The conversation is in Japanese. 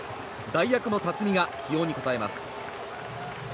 代役の辰己が起用に応えます。